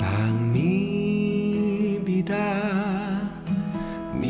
คนผู้ไม่รู้ทำไม